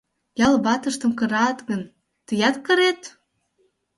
Ял ватыштым кырат гын, тыят кырет?